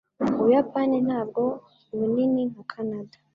Ubuyapani ntabwo bunini nka Kanada